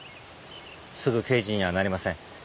すぐ刑事にはなれません。